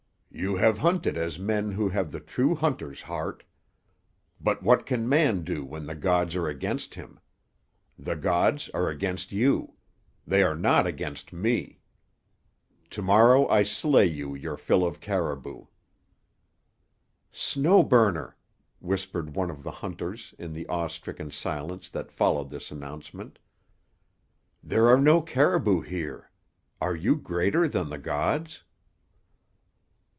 "You have hunted as men who have the true hunter's heart. But what can man do when the gods are against him? The gods are against you. They are not against me. To morrow I slay you your fill of caribou." "Snow Burner," whispered one of the hunters in the awe stricken silence that followed this announcement, "there are no caribou here. Are you greater than the gods?"